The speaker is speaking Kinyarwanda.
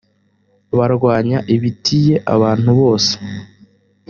barwanya ibi tiye abantu bose